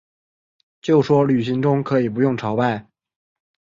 就说旅行中可以不用朝拜